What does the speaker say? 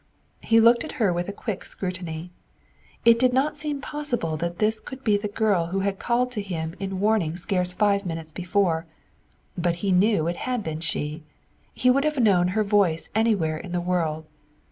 He looked at her with a quick scrutiny. It did not seem possible that this could be the girl who had called to him in warning scarce five minutes before; but he knew it had been she, he would have known her voice anywhere in the world.